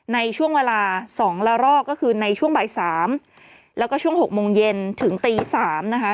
ในช่วงเวลาสองละรอกก็คือในช่วงบ่ายสามแล้วก็ช่วงหกโมงเย็นถึงตีสามนะคะ